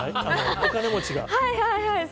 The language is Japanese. お金持ちが。